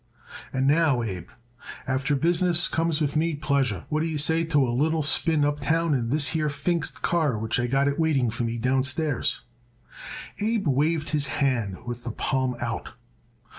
"And now, Abe, after business comes with me pleasure. What d'ye say to a little spin uptown in this here Pfingst car which I got it waiting for me downstairs." Abe waved his hand with the palm out.